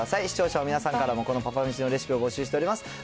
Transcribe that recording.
視聴者の皆さんからもこのパパめしのレシピを募集しております。